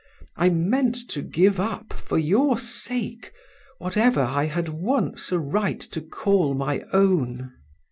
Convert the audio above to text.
I meant to give up, for your sake, whatever I had once a right to call my own.